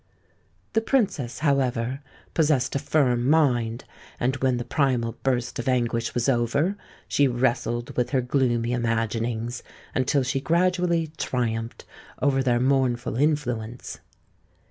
The Princess, however, possessed a firm mind; and when the primal burst of anguish was over, she wrestled with her gloomy imaginings, until she gradually triumphed over their mournful influence.